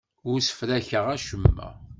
Ur ssefrakeɣ acemma.